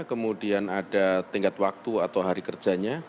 kemudian ada tingkat waktu atau hari kerjanya